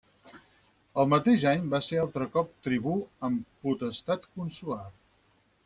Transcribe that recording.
El mateix any va ser altre cop tribú amb potestat consolar.